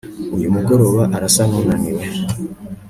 Uyu mugoroba arasa nunaniwe